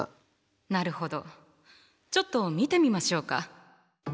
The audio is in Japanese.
なるほどちょっと見てみましょうか。